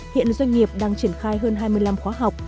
hiện doanh nghiệp đang triển khai hơn hai mươi năm khóa học